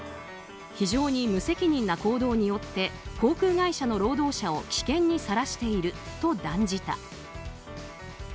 非常に無責任な行動によって航空会社の労働者を危険にさらしていると断じた。